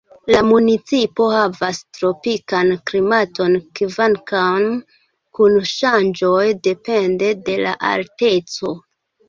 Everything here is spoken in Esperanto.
La municipo havas tropikan klimaton kvankam kun ŝanĝoj depende de la alteco.